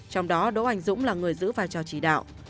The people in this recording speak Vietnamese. trong đó đỗ anh dũng là người giữ vai trò chỉ đạo